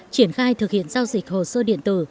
triển khai thực hiện giao dịch hồ sơ điện tử